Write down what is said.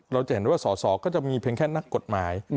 เราจะเห็นว่าสอสอก็จะมีเพียงแค่นักกฎหมาย